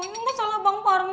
ini salah bang parmin